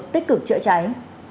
tích cực chữa cháy